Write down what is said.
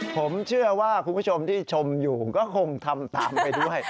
ผมเชื่อว่าคุณผู้ชมที่ชมอยู่ก็คงทำตามไปด้วย